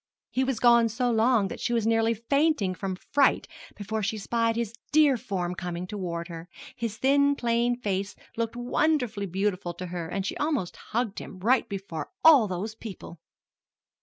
He was gone so long that she was nearly fainting from fright before she spied his dear form coming toward her. His thin, plain face looked wonderfully beautiful to her, and she almost hugged him right before all those people.